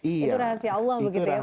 itu rahasia allah begitu ya pak gaya ya